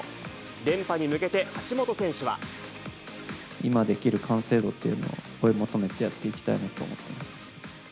連覇に向けて橋本選手は。今できる完成度というのを追い求めてやっていきたいなと思っています。